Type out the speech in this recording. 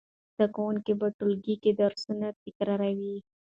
زده کوونکي په ټولګي کې درسونه تکراروي.